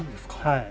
はい。